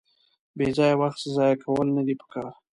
بېځایه وخت ځایه کول ندي پکار.